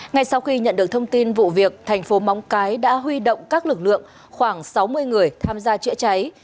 ngay sau khi nhận được thông tin vụ việc thành phố móng cái đã huy động các lực lượng khoảng sáu mươi người tham gia chữa cháy